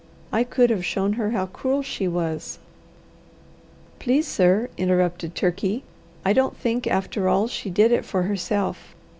I could have shown her how cruel she was " "Please, sir," interrupted Turkey, "I don't think after all she did it for herself.